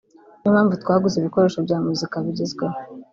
niyo mpamvu twaguze ibikoresho bya muzika bigezweho